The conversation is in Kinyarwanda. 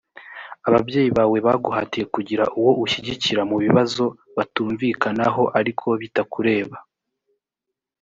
ababyeyi bawe baguhatiye kugira uwo ushyigikira mu bibazo batumvikanaho ariko bitakureba.